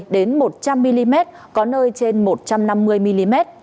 đến một trăm linh mm có nơi trên một trăm năm mươi mm